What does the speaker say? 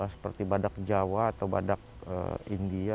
seperti badak jawa atau badak india